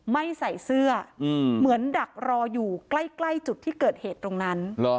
ไม่ใส่เสื้อเหมือนดักรออยู่ใกล้จุดที่เกิดเหตุตรงนั้น